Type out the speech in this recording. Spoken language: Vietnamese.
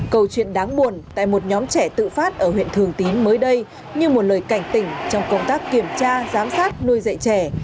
câu chuyện đáng buồn tại một nhóm trẻ tự phát ở huyện thường tín mới đây như một lời cảnh tỉnh trong công tác kiểm tra giám sát nuôi dạy trẻ